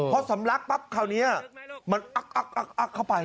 พอสำลักปั๊บคราวนี้มันอักอักเข้าไป